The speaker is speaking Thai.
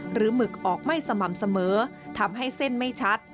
หมึกออกไม่สม่ำเสมอทำให้เส้นไม่ชัด